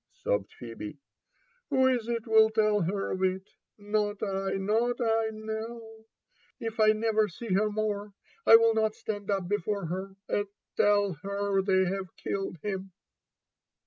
sobbed Phebe, who is it will tell her of it ?< Not I, not I, — no, if I never see her more, I will not stand up before her and tell her they have killed him."